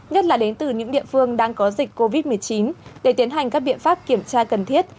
nhất là đến từ những địa phương đang có dịch covid một mươi chín để tiến hành các biện pháp kiểm tra cần thiết